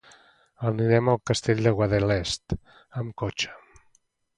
Anirem al Castell de Guadalest amb cotxe.